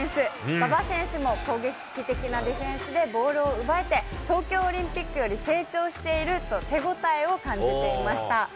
馬場選手も攻撃的なディフェンスで、ボールを奪えて、東京オリンピックより成長していると、手応えを感じていました。